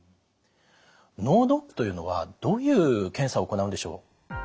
脳ドックというのはどういう検査を行うんでしょう？